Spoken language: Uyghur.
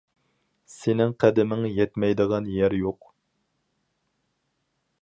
سېنىڭ قەدىمىڭ يەتمەيدىغان يەر يوق.